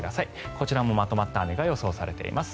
こちらもまとまった雨が予想されています。